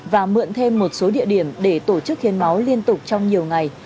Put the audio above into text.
và mượn thêm một số địa điểm để tổ chức hiến máu liên tục trong nhiều ngày